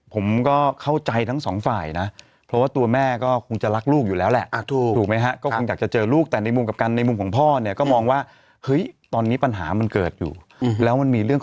เพราะฉะนั้นอย่างนี้คือในมุมของลูกเอง